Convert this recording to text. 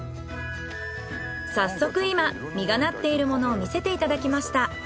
早速今実がなっているものを見せていただきました。